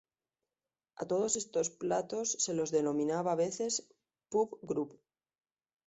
A todos estos platos se los denomina a veces "pub grub".